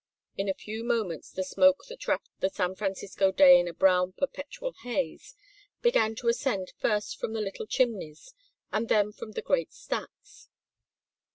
In a few moments the smoke that wrapped the San Francisco day in a brown perpetual haze began to ascend first from the little chimneys and then from the great stacks.